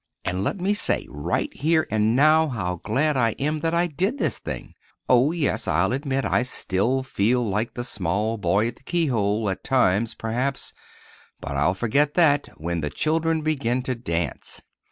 And let me say right here and now how glad I am that I did this thing. Oh, yes, I'll admit I still feel like the small boy at the keyhole, at times, perhaps; but I'll forget that—when the children begin to dance.